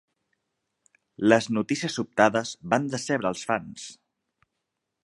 Les notícies sobtades van decebre els fans.